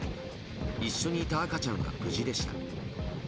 一緒にいた赤ちゃんは無事でした。